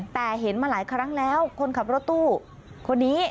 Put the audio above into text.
แต่เห็นมาหลายครั้งแล้วคนขับรถตู้คนนี้